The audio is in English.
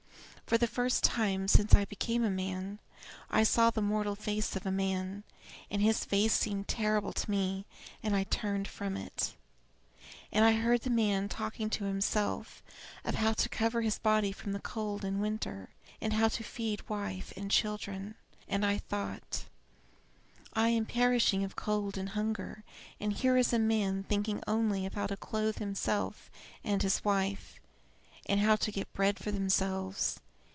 For the first time since I became a man I saw the mortal face of a man, and his face seemed terrible to me and I turned from it. And I heard the man talking to himself of how to cover his body from the cold in winter, and how to feed wife and children. And I thought: 'I am perishing of cold and hunger, and here is a man thinking only of how to clothe himself and his wife, and how to get bread for themselves.